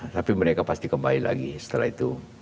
tapi mereka pasti kembali lagi setelah itu